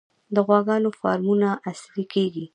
د غواګانو فارمونه عصري کیږي